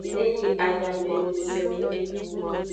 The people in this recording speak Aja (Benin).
E yi ayamehunzexu.